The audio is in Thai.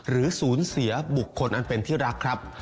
สูญเสียบุคคลอันเป็นที่รักครับ